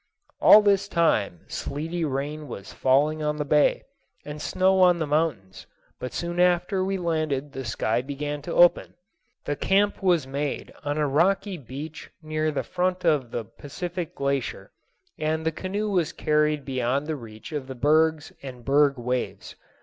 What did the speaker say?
All this time sleety rain was falling on the bay, and snow on the mountains; but soon after we landed the sky began to open. The camp was made on a rocky bench near the front of the Pacific Glacier, and the canoe was carried beyond the reach of the bergs and berg waves.